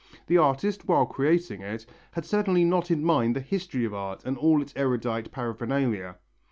The artist, while creating it, had certainly not in mind the history of art and all its erudite paraphernalia.